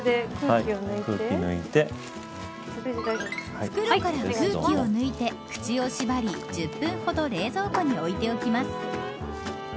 袋から空気を抜いて、口を縛り１０分ほど冷蔵庫に置いておきます。